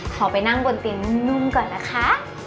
ขอไปนั่งบนเตียงนุ่มก่อนนะคะ